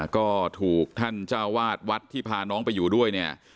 ก็ถูกท่านเจ้าวาดวัดที่พาน้องไปอยู่ด้วยเนี่ย